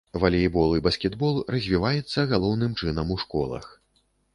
Валейбол і баскетбол развіваецца галоўным чынам у школах.